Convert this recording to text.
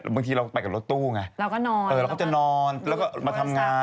บางทีเราไปกับรถตู้ไงเราก็นอนเราก็จะนอนแล้วก็มาทำงาน